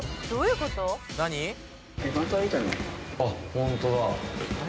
ホントだ。